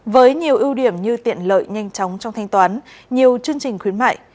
với nhiều ưu điểm như tiện lợi nhanh chóng trong thanh toán nhiều chương trình khuyến mại